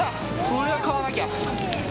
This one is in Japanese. これは買わなきゃ。